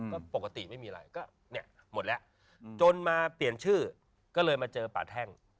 ก็ปกติไม่มีอะไรก็เนี่ยหมดแล้วจนมาเปลี่ยนชื่อก็เลยมาเจอป่าแท่ง